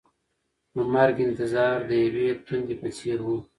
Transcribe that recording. د مرګ انتظار د یوې تندې په څېر و.